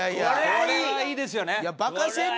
これはいいですよね！